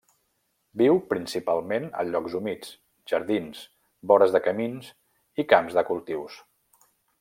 Viu principalment a llocs humits, jardins, vores de camins i camps de cultius.